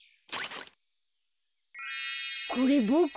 これボク？